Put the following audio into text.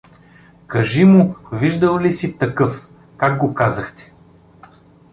Кажи му виждал ли си такъв… Как го казахте?